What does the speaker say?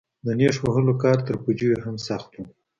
د نېش وهلو کار تر پوجيو هم سخت و.